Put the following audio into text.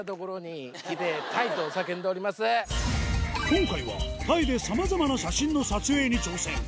今回はタイでさまざまな写真の撮影に挑戦